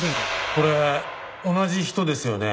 これ同じ人ですよね。